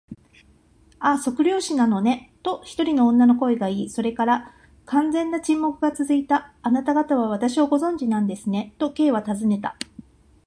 「ああ、測量技師なのね」と、一人の女の声がいい、それから完全な沈黙がつづいた。「あなたがたは私をご存じなんですね？」と、Ｋ はたずねた。